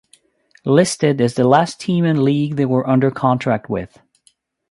Listed is the last team and league they were under contract with.